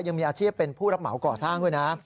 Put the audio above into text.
ยังมีอาชีพเป็นผู้รับเหมาก่อสร้างด้วยนะ